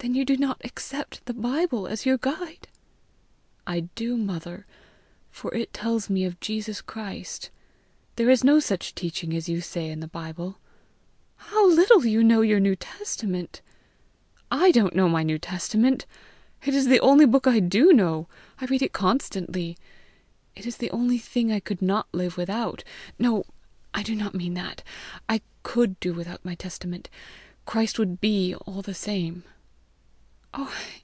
"Then you do not accept the Bible as your guide?" "I do, mother, for it tells me of Jesus Christ. There is no such teaching as you say in the Bible." "How little you know your New Testament!" "I don't know my New Testament! It is the only book I do know! I read it constantly! It is the only thing I could not live without! No, I do not mean that! I COULD do without my Testament! Christ would BE all the same!"